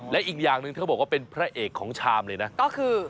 และอีกอย่างหนึ่งเธอบอกว่าเป็นพระเอกของชามเลยนะก็คือ